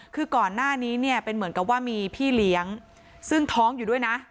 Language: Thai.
คือก่อนหน้านี้เนี่ยเป็นเหมือนกับว่ามีพี่เลี้ยงซึ่งท้องอยู่ด้วยนะ